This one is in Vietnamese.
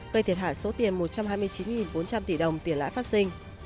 gây thiệt hại số tiền một trăm hai mươi chín bốn trăm linh tỷ đồng tiền lãi phát sinh